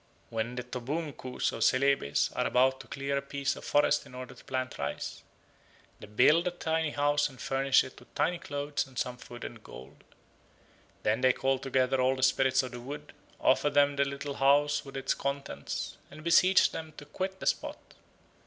When the Toboongkoos of Celebes are about to clear a piece of forest in order to plant rice, they build a tiny house and furnish it with tiny clothes and some food and gold. Then they call together all the spirits of the wood, offer them the little house with its contents, and beseech them to quit the spot.